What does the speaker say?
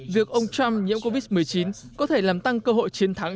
việc ông trump nhiễm covid một mươi chín có thể làm tăng cơ hội chiến thắng